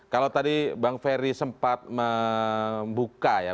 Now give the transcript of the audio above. kalau tadi bang ferry sempat membuka ya